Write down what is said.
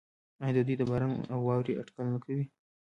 آیا دوی د باران او واورې اټکل نه کوي؟